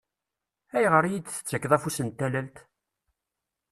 Ayɣer i iyi-d-tettakkeḍ afus n talalt?